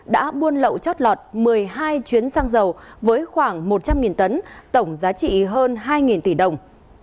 đã buôn lậu chót lọt một mươi hai chuyến xăng dầu với khoảng một trăm linh tấn tổng giá trị hơn hai tỷ đồng